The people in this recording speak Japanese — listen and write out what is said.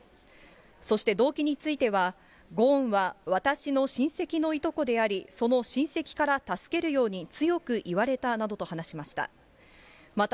そして、動機については、ゴーンは私の親戚のいとこであり、その親戚から助けるように強く言われたなどと話しました。